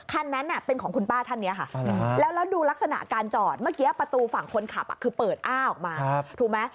คันนั้นเป็นของคุณป้าท่านนี้ค่ะแล้วดูลักษณะการจอดเมื่อกี้ประตูฝั่งคนขับคือเปิดอ้าออกมาถูกไหม